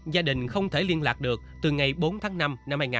gia đình không thể liên lạc được từ ngày bốn tháng năm năm hai nghìn hai mươi bốn